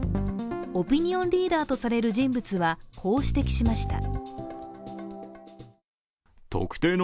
オピニオンリーダーとされる人物は、こう指摘しました。